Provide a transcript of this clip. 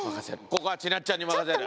ここはちなっちゃんに任せる。